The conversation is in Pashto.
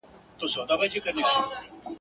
ایوب خان به خپل ځواک تنظیماوه.